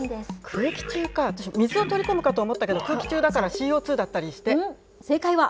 空気中か、私、水を取り込むかと思ったけど、空気中だからＣ正解は。